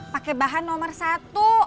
pakai bahan nomor satu